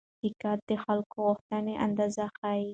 تقاضا د خلکو غوښتنې اندازه ښيي.